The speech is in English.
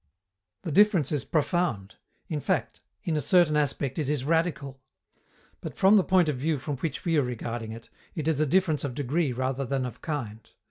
The difference is profound. In fact, in a certain aspect it is radical. But, from the point of view from which we are regarding it, it is a difference of degree rather than of kind.